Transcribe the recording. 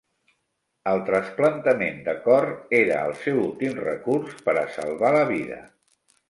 El trasplantament de cor era el seu últim recurs per a salvar la vida.